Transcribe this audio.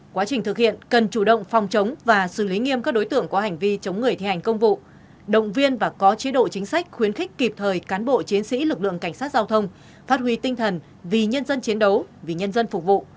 quá trình thực hiện cần chủ động phòng chống và xử lý nghiêm các đối tượng có hành vi chống người thi hành công vụ động viên và có chế độ chính sách khuyến khích kịp thời cán bộ chiến sĩ lực lượng cảnh sát giao thông phát huy tinh thần vì nhân dân chiến đấu vì nhân dân phục vụ